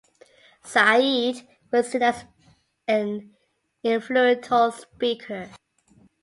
Saeed was seen as an influential speaker.